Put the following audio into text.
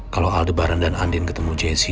kalau aldebaran dan andin ketemu jensey